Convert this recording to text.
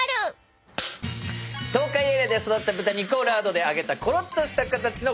東海エリアで育った豚肉をラードで揚げたころっとした形のカツ。